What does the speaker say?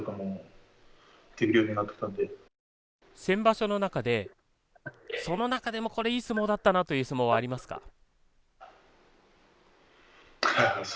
先場所の中でその中でもこれいい相撲だったなという相撲はありますか？